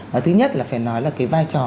và thứ nhất là phải nói là cái vai trò